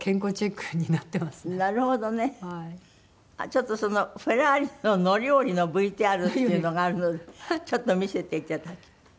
ちょっとそのフェラーリの乗り降りのＶＴＲっていうのがあるのでちょっと見せていただきます。